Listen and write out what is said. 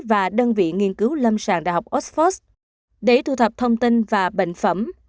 và đơn vị nghiên cứu lâm sàng đh oxford để thu thập thông tin và bệnh phẩm